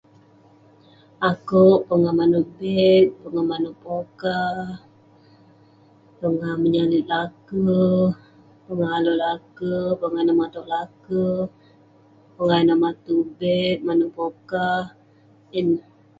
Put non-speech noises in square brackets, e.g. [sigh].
Akouk koluk manouk bem, koluk manouk pokah, koluk manouk [unintelligible] lake. Pongah alek lake. Koluk manouk lake. Pongah ineh manouk bek, manouk pokah.